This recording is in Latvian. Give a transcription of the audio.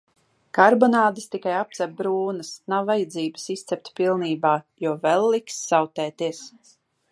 Karbonādes tikai apcep brūnas, nav vajadzības izcept pilnībā, jo vēl liks sautēties.